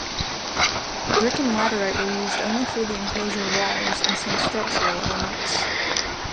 Brick and laterite were used only for the enclosure walls and some structural elements.